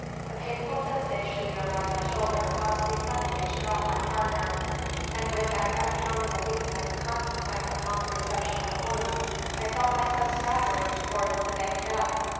A painful sensation near my left shoulder caused me suddenly to drop my partner; and with that unaccountable weakness consequent upon the reception of a wound, I felt myself staggering towards the banquette.